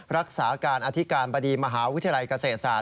รักษาการอธิการบดีมหาวิทยาลัยเกษตรศาสต